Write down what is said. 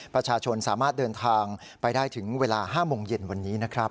ประชาชนสามารถเดินทางไปได้ถึงเวลา๕โมงเย็นวันนี้นะครับ